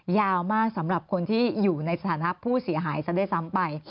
ยาวมากสำหรับคนที่อยู่ในสถานะผู้เสียหายซะด้วยซ้ำไป